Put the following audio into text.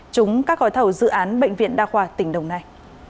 trúng các gói thầu dự án bệnh viện đa khoa tỉnh đồng nai